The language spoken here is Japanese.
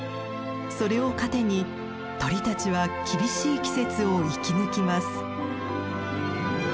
それを糧に鳥たちは厳しい季節を生き抜きます。